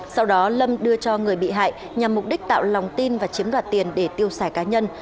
sau đó lâm đưa cho người bị hại nhằm mục đích tạo lòng tin và chiếm đoạt tiền để tiêu xài cá nhân